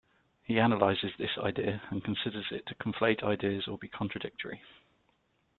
He analyzes this idea and considers it to conflate ideas or be contradictory.